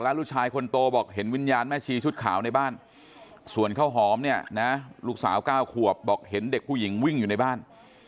ลูกชายคนโตบอกเห็นวิญญาณแม่ชีชุดขาวในบ้านส่วนข้าวหอมเนี่ยนะลูกสาว๙ขวบบอกเห็นเด็กผู้หญิงวิ่งอยู่ในบ้าน